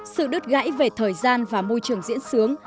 sự đứt gãy về thời gian và môi trường diễn sướng